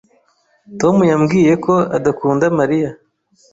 Tom yambwiye ko adakunda Mariya.